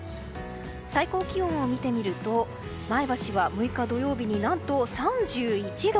最高気温を見てみると前橋は６日土曜日、何と３１度。